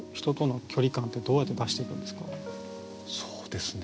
そうですね。